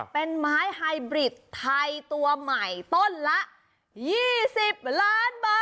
เป็นไม้ไฮบริดไทยตัวใหม่ต้นละ๒๐ล้านบาท